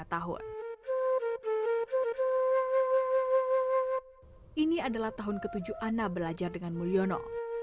tahun ini adalah tahun ketujuh ana belajar dengan mulyono